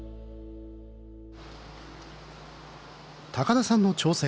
田さんの挑戦